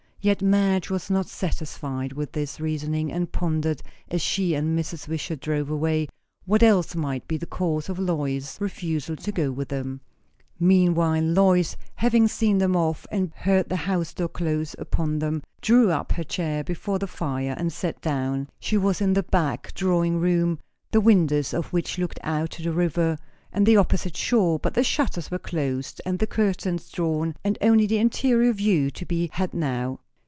Yet Madge was not satisfied with this reasoning, and pondered, as she and Mrs. Wishart drove away, what else might be the cause of Lois's refusal to go with them. Meanwhile Lois, having seen them off and heard the house door close upon them, drew up her chair before the fire and sat down. She was in the back drawing room, the windows of which looked out to the river and the opposite shore; but the shutters were closed and the curtains drawn, and only the interior view to be had now.